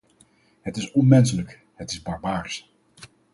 Het is onmenselijk; het is barbaars.